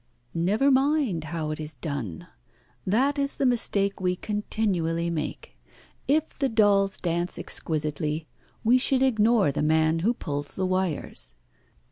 "Never mind how it is done. That is the mistake we continually make. If the dolls dance exquisitely we should ignore the man who pulls the wires.